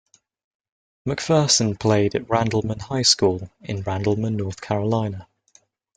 McPherson played at Randleman High School in Randleman, North Carolina.